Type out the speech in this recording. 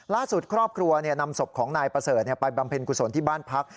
ล่าสุดครอบครัวนำศพของนายประเสริฐไปบำเพ็ญกุศลที่บ้านพัก